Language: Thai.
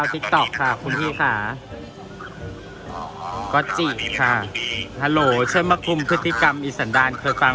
อะไรนะคะคุณพี่ได้เจอบ้างไหมครับอะไรนะคะคุณพี่ปกติแล้วคุณพี่ได้เจอบ้างเลยครับ